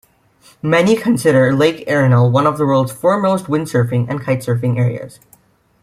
Many consider Lake Arenal one of the world's foremost windsurfing and kite surfing areas.